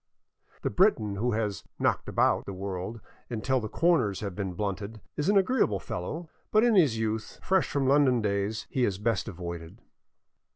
The Briton who has " knocked about " the world until the corners have been blunted is an agreeable fellow; but in his youthful, fresh from London days he is best avoided.